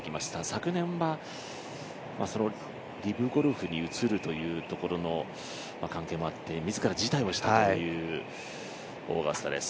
昨年はリブゴルフに移るというところの関係もあって自ら辞退をしたというオーガスタです。